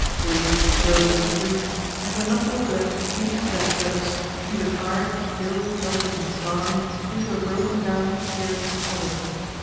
Grief drove him to drink, and when nothing was left, even for that purpose, he retired ill, helpless, and starving into a broken down, cheerless hovel.